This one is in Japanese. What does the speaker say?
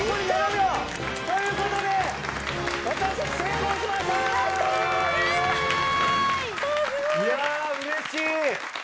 いやうれしい。